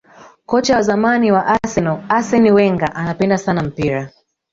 kocha wa zamani wa arsenal arsene wenger anapenda sana mpira